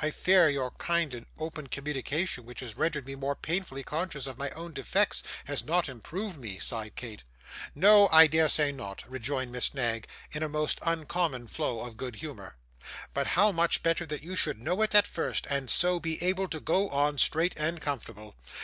'I fear your kind and open communication, which has rendered me more painfully conscious of my own defects, has not improved me,' sighed Kate. 'No, no, I dare say not,' rejoined Miss Knag, in a most uncommon flow of good humour. 'But how much better that you should know it at first, and so be able to go on, straight and comfortable!